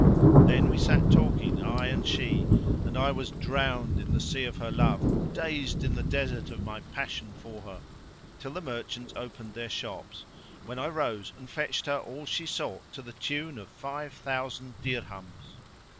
Then we sat talking, I and she (and I was drowned in the sea of her love, dazed in the desert[FN#556] of my passion for her), till the merchants opened their shops; when I rose and fetched her all she sought to the tune of five thousand dirhams.